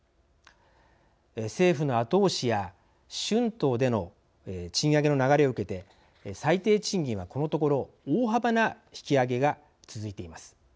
政府の後押しや春闘での賃上げの流れを受けて最低賃金はこのところ大幅な引き上げが続いています。